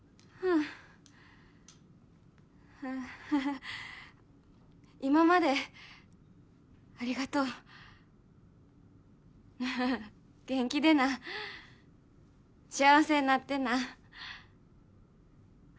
うんフフッ今までありがとう元気でな幸せになってなあ